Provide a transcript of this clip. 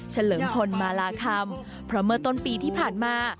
เลิงพลมาลาคำเพราะเมื่อต้นปีที่ผ่านมา